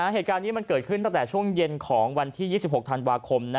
เหตุการณ์นี้มันเกิดขึ้นตั้งแต่ช่วงเย็นของวันที่๒๖ธันวาคม